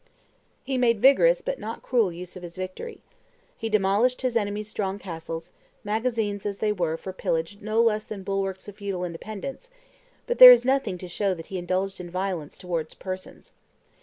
He made vigorous but not cruel use of his victory. He demolished his enemies' strong castles, magazines as they were for pillage no less than bulwarks of feudal independence; but there is nothing to show that he indulged in violence towards persons.